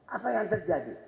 apa yang terjadi